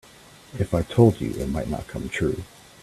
If I told you it might not come true.